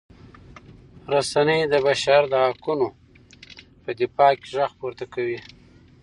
رسنۍ د بشر د حقونو په دفاع کې غږ پورته کوي.